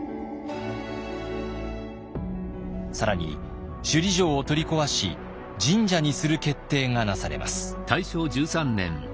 更に首里城を取り壊し神社にする決定がなされます。